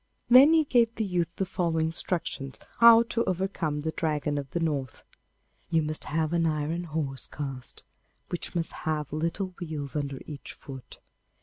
Then he gave the youth the following instructions how to overcome the Dragon of the North: 'You must have an iron horse cast, which must have little wheels under each foot.